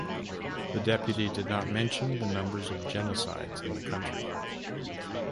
The deputy did not mention the numbers of "genocides" in the country.